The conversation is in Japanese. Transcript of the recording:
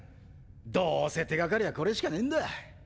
どうせ手がかりはこれしかねぇんだ。